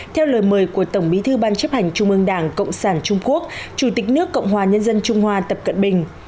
theo lời mời của tổng bí thư ban chấp hành trung ương đảng cộng sản trung quốc chủ tịch nước cộng hòa nhân dân trung hoa tập cận bình